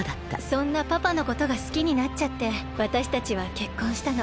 そんなパパのことがすきになっちゃってわたしたちはけっこんしたの。